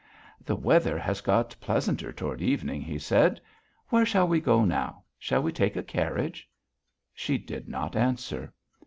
"The weather has got pleasanter toward evening," he said. "Where shall we go now? Shall we take a carriage?" She did not answer.